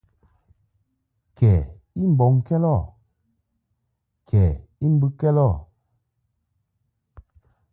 Kɛ i mbɔŋkɛd ɔ kɛ I mbɨkɛd ɔ.